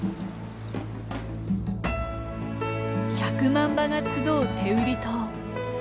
１００万羽が集う天売島。